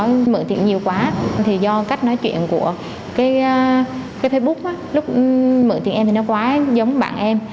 nó mượn tiền nhiều quá thì do cách nói chuyện của cái facebook lúc mượn tiền em thì nó quá giống bạn em